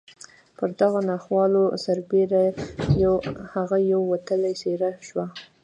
پر دغو ناخوالو سربېره هغه یوه وتلې څېره شوه